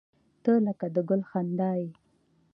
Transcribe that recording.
• ته لکه د ګل خندا یې.